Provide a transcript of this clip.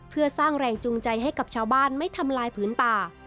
เพื่อสร้างแรงจูงใจให้กับชาวบ้านไม่ทำลายผืนป่า